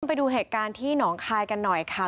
ไปดูเหตุการณ์ที่หนองคายกันหน่อยค่ะ